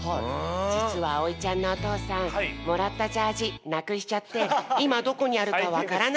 じつはあおいちゃんのおとうさんもらったジャージなくしちゃっていまどこにあるかわからないんだって。